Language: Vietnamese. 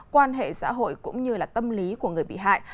quan hệ xã hội cũng như là tâm lý của người bị hại